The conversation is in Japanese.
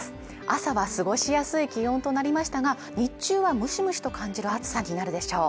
朝は過ごしやすい気温となりましたが日中はムシムシと感じる暑さになるでしょう